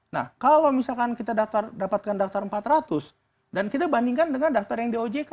nah kalau misalkan kita dapatkan daftar empat ratus dan kita bandingkan dengan daftar yang di ojk